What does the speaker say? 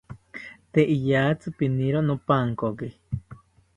Tee iyatzi piniro nopankoki